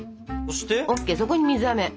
そこに水あめ。